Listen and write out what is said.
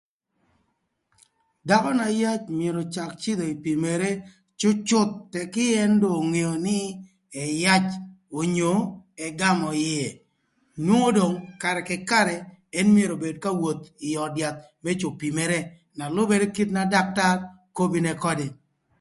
Dhakö na yac myero öcak cïdhï ï pimere cücüth tëkï ën dong ongeo nï ëyac onyo ëgamö ïë, onwongo dong karë kï karë, ën myero obed ka woth ï öd yath më cïdhö pimere na lübërë kite na daktar kobo nïnë ködë.